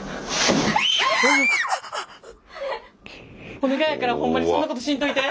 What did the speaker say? お願いやからホンマにそんなことしんといて！